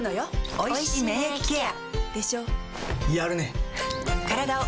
おいしい免疫ケア